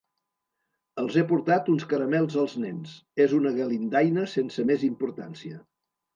Els he portat uns caramels als nens. És una galindaina sense més importància.